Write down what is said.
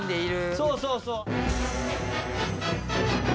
そうそうそう。